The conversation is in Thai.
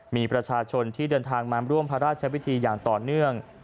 มีประชาชนที่เดินทางมาร่วมพระราชวิธีอย่างต่อเนื่อง